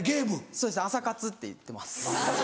そうです朝活って言ってます。